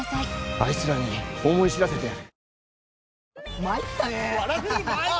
あいつらに思い知らせてやる。